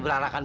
gak ada ulang